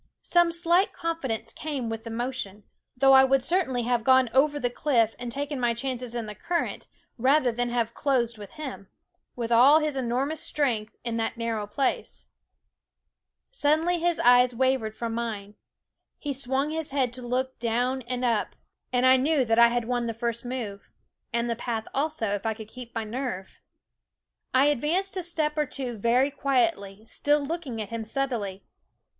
Some slight confidence came with the motion ; though I would certainly have gone over the cliff and taken my chances in the current, rather than have closed with him, with all his enormous strength, in that nar row place. Suddenly his eyes wavered from mine; he swung his head to look i down and up; and I knew that I 159 n YouMeef i6o iMea You Meef Bear 9 SCHOOL Of had won the first move and the path also, if I could keep my nerve. I advanced a step or two very quietly, still looking at him steadily.